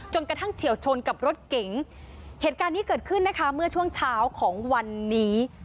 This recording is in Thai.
เฉียวชนกับรถเก๋งเหตุการณ์นี้เกิดขึ้นนะคะเมื่อช่วงเช้าของวันนี้